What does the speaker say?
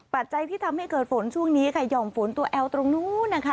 ปัจจัยที่ทำให้เกิดฝนช่วงนี้ค่ะหย่อมฝนตัวแอลตรงนู้นนะคะ